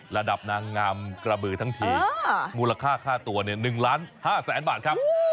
ระดับนางงามกระเบอร์ทั้งทีมูลค่าข้าตัว๑๕๐๐๐๐๐บาทครับ